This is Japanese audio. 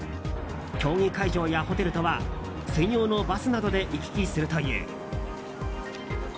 競技会場やホテルとは専用のバスなどで行き来するという。